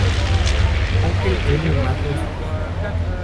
Angel M. Mattos, hijo.